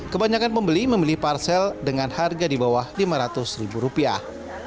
kebanyakan pembeli memilih parsel dengan harga di bawah lima ratus ribu rupiah